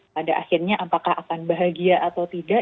pada akhirnya apakah akan bahagia atau tidak